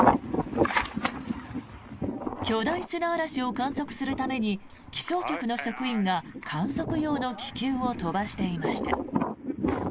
巨大砂嵐を観測するために気象局の職員が観測用の気球を飛ばしていました。